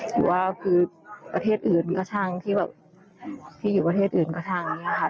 หรือว่าคือประเทศอื่นก็ช่างที่แบบที่อยู่ประเทศอื่นก็ช่างเนี่ยค่ะ